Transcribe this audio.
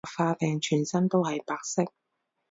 白化病全身都係白色